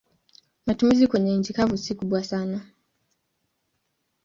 Matumizi kwenye nchi kavu si kubwa sana.